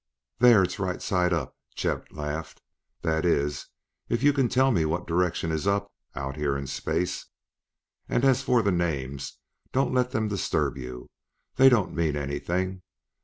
"There, it's right side up," Chet laughed; "that is, if you can tell me what direction is 'up' out here in space. And, as for the names, don't let them disturb you; they don't mean anything.